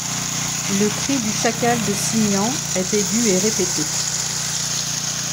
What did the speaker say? Le cri du chacal de Simien est aigu et répété.